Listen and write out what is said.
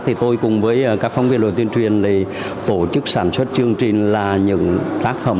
thì tôi cùng với các phóng viên đội tuyên truyền để phổ chức sản xuất chương trình là những tác phẩm